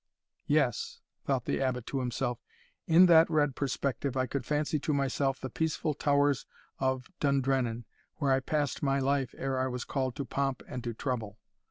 "Yes," thought the Abbot to himself, "in that red perspective I could fancy to myself the peaceful towers of Dundrennan, where I passed my life ere I was called to pomp and to trouble.